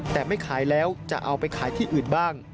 แต่ไม่ขายแล้วจะเอาไปขายที่อื่นบ้าง